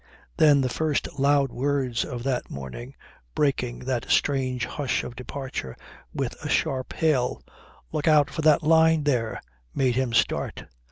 Then the first loud words of that morning breaking that strange hush of departure with a sharp hail: 'Look out for that line there,' made him start.